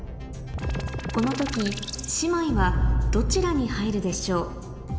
この時姉妹はどちらに入るでしょう？